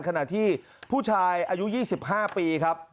ขณะที่ผู้ชายอายุ๒๕ปีครับ